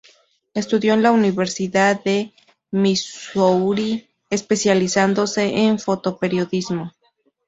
Estudió en la Universidad de Missouri, especializándose en fotoperiodismo.